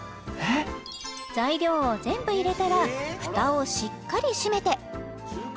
材料を全部入れたらフタをしっかり閉めて・